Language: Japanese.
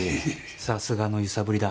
さすがの揺さぶりだ。